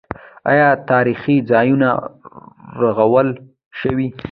آیا تاریخي ځایونه رغول شوي؟